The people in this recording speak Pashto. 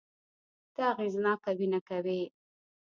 ته اغېزناکه وينه کوې